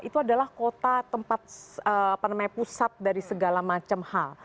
itu adalah kota tempat pusat dari segala macam hal